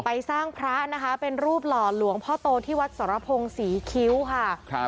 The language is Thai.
สร้างพระนะคะเป็นรูปหล่อหลวงพ่อโตที่วัดสรพงศรีคิ้วค่ะ